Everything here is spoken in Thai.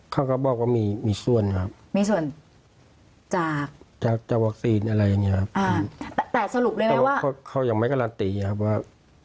เขาก็บอกว่ามีส่วนครับจากวัคซีนอะไรอย่างนี้ครับแต่เขายังไม่การันติครับว่า